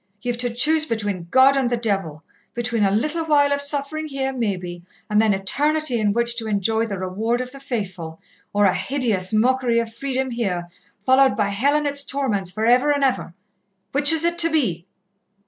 Ye've to choose between God and the Devil between a little while of suffering here, maybe, and then Eternity in which to enjoy the reward of the faithful, or a hideous mockery of freedom here, followed by Hell and its torments for ever and ever. Which is it to be?"